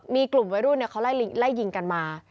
มีกลุ่มวัยรุ่นเขาไล่ยิงกันมา